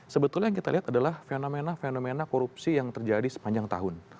sebetulnya yang kita lihat adalah fenomena fenomena korupsi yang terjadi sepanjang tahun